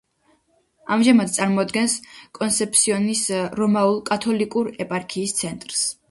ამჟამად წარმოადგენს კონსეფსიონის რომანულ-კათოლიკური ეპარქიის ცენტრს.